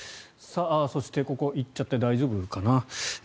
そしてここに行っちゃって大丈夫かな。